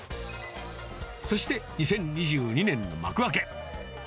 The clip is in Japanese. そして２０２２年の幕開け。